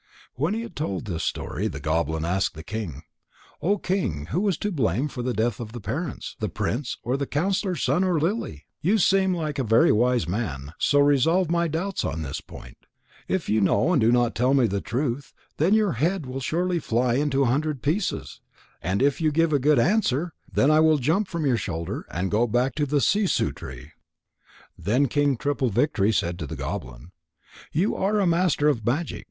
When he had told this story, the goblin asked the king: "O King, who was to blame for the death of the parents: the prince, or the counsellor's son, or Lily? You seem like a very wise man, so resolve my doubts on this point. If you know and do not tell me the truth, then your head will surely fly into a hundred pieces. And if you give a good answer, then I will jump from your shoulder and go back to the sissoo tree." Then King Triple victory said to the goblin: "You are a master of magic.